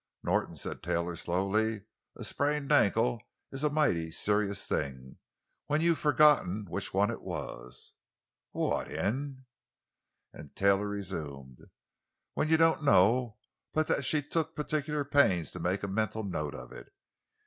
"Norton," said Taylor slowly, "a sprained ankle is a mighty serious thing—when you've forgotten which one it was!" "What in——" "And," resumed Taylor, "when you don't know but that she took particular pains to make a mental note of it.